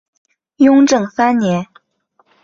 雍正三年。